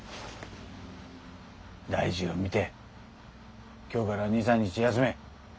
大事を見て今日から２３日休め。